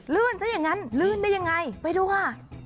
ลื่นซะอย่างนั้นลื่นได้ยังไงไปดูค่ะ